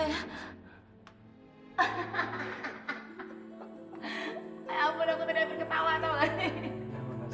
ayah ampun aku udah dari berketawa tau lagi